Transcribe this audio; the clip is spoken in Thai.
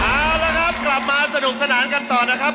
เอาละครับกลับมาสนุกสนานกันต่อนะครับ